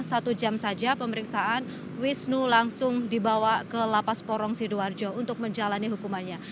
satu jam saja pemeriksaan wisnu langsung dibawa ke lapas porong sidoarjo untuk menjalani hukumannya